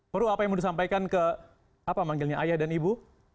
peru apa yang mau disampaikan ke apa manggilnya ayah dan ibu